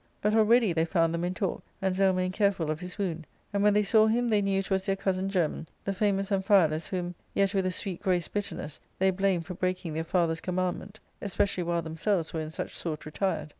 But already they found them in talk, and Zelmane careful of his wound ; and, when they saw him, they knew it was their cousin german, the famous Amphialus, whom, yet with a sweet graced bit y terness, they blamed for breaking their father's command ment, especially while themselves were in such sort retired.